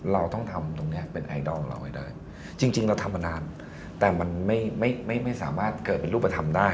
เราต้องทำตรงนี้เป็นไอดอลเราให้ได้จริงเราทำมานานแต่มันไม่ไม่สามารถเกิดเป็นรูปธรรมได้